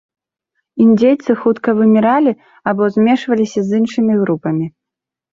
Індзейцы хутка выміралі або змешваліся з іншымі групамі.